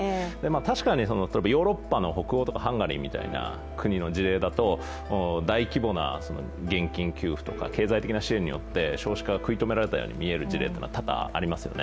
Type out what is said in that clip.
確かに、例えばヨーロッパの北欧とかハンガリーみたいな国だと大規模な現金給付とか経済的な支援によって少子化が食い止められたように見える事例というのが、多々ありますよね。